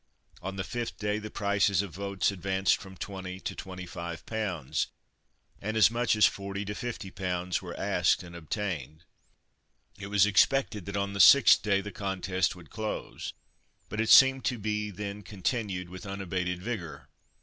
On the fifth day the prices of votes advanced from 20 to 25 pounds, and as much as 40 to 50 pounds were asked and obtained. It was expected that on the sixth day the contest would close, but it seemed to be then continued with unabated vigour.